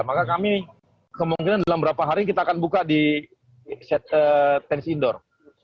maka kami kemungkinan dalam beberapa hari kita akan buka di tenis indoor